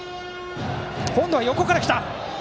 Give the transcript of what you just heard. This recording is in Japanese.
今度は横から来た。